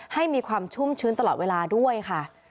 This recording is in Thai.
ให้มีความชุ่มชื้นตลอดเวลาด้วยค่ะ